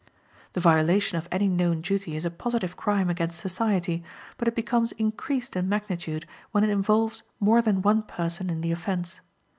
The violation of any known duty is a positive crime against society, but it becomes increased in magnitude when it involves more than one person in the offense.